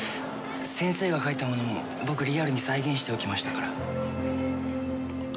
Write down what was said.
先生が描いたものを僕、リアルに再現しておきましたから。